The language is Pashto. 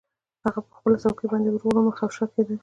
هغه په خپله څوکۍ باندې ورو ورو مخ او شا کیده